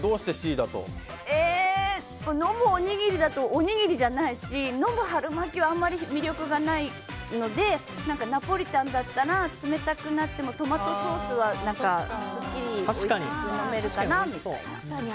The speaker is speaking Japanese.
飲むおにぎりだとおにぎりじゃないし飲む春巻きはあまり魅力がないのでナポリタンだったら冷たくなってもトマトソースはすっきりおいしく飲めるかな？みたいな。